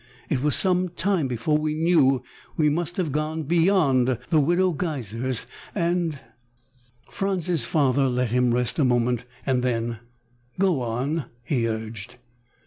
It was some time before we knew we must have gone beyond the Widow Geiser's and " Franz's father let him rest a moment and then, "Go on," he urged.